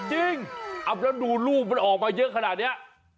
จริงแล้วดูรูปมันออกมาเยอะขนาดนี้